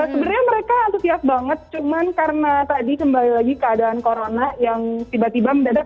sebenarnya mereka antusias banget cuman karena tadi kembali lagi keadaan corona yang tiba tiba mendadak